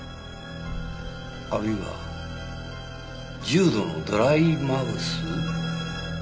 あるいは重度のドライマウス。